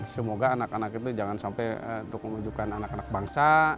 semoga anak anak itu jangan sampai untuk menunjukkan anak anak bangsa